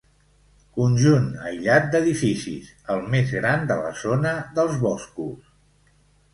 Conjunt aïllat d'edificis, el més gran de la zona dels Boscos.